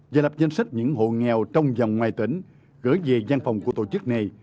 và lập danh sách những hộ nghèo trong dòng ngoài tỉnh gửi về giang phòng của tổ chức này